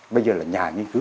bây giờ là nhà nghiên cứu